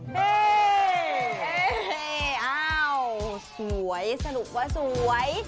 นี่อ้าวสวยสนุกว่าสวย